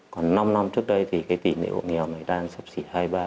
còn năm năm trước đây thì tỉ nệ hộ nghèo đang sắp xỉ hai ba